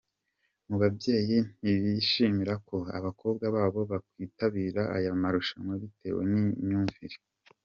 mu babyeyi ntibishimira ko abakobwa babo bakwitabira aya marushanwa bitewe nimyumvire.